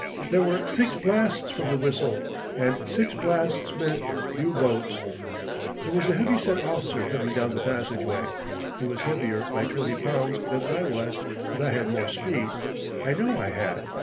There were six blasts from the whistle, and six blasts meant U boats. There was a heavy set officer coming down the passageway. He was heavier by twenty pounds than I was, but I had more speed. I know I had.